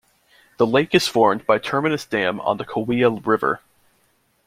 The lake is formed by Terminus Dam on the Kaweah River.